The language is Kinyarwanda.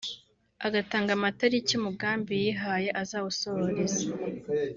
agatanga amatariki umugambi yihaye azawusohoreza